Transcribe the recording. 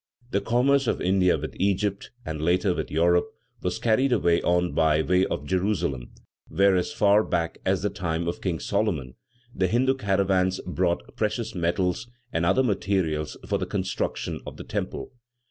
The commerce of India with Egypt and, later, with Europe, was carried on by way of Jerusalem, where, as far back as the time of King Solomon, the Hindu caravans brought precious metals and other materials for the construction of the temple.